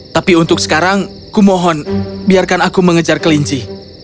tapi untuk sekarang kumohon biarkan aku mengejar kelinci